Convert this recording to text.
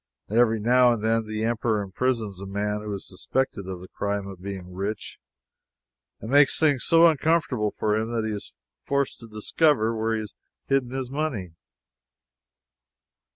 Every now and then the Emperor imprisons a man who is suspected of the crime of being rich, and makes things so uncomfortable for him that he is forced to discover where he has hidden his money.